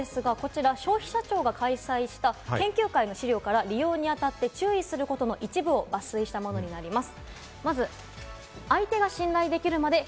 そういったリスクもあるんですが、こちら、消費者庁が開催した研究会の資料から利用にあたって注意することの一部を抜粋したものになります。